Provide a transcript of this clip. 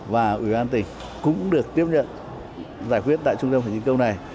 và ủy ban tỉnh cũng được tiếp nhận giải quyết tại trung tâm hành chính công này